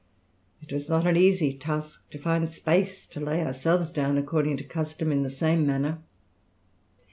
It was not an easy task to find space to lay ourselves down according to custom in the same manner.